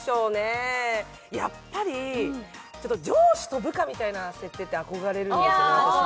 やっぱり上司と部下っていう設定って憧れるんです。